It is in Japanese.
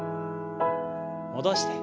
戻して。